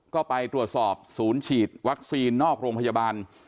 ก็ไปตรวจสอบศูนย์ฉีดวัคซีนนอกโรงพยาบาล